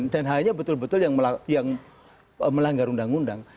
dan hanya betul betul yang melanggar undang undang